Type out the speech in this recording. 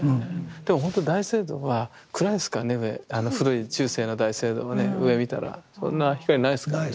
でもほんと大聖堂は暗いですからね上古い中世の大聖堂はね上見たらそんな光ないですからね。